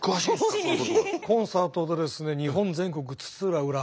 コンサートでですね日本全国津々浦々。